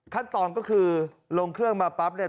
ขั้นตอนก็คือลงเครื่องมาปั๊บเนี่ย